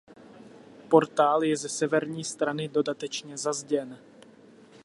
Portál je ze severní strany dodatečně zazděn.